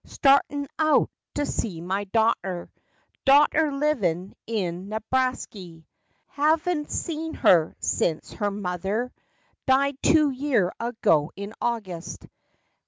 Startin' out to see my darter— Darter livin' in Nebrasky— Have n't saw her sence her mother Died two year ago in August.